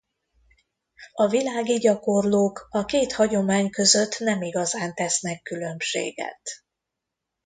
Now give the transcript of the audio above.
A világi gyakorlók a két hagyomány között nem igazán tesznek különbséget.